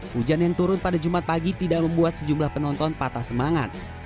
hujan yang turun pada jumat pagi tidak membuat sejumlah penonton patah semangat